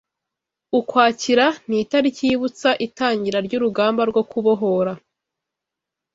Ukwakira, ni itariki yibutsa itangira ry’urugamba rwo kubohora